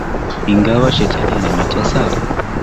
Ingawa Shetani atanitesa